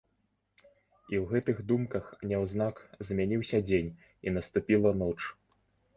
І ў гэтых думках няўзнак змяніўся дзень і наступіла ноч.